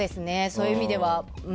そういう意味では。